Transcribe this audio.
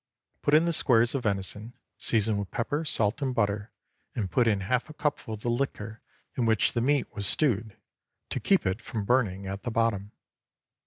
Put in the squares of venison, season with pepper, salt, and butter, and put in half a cupful of the liquor in which the meat was stewed, to keep it from burning at the bottom.